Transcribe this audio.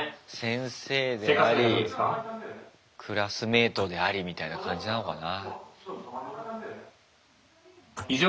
先生でありクラスメートでありみたいな感じなのかな。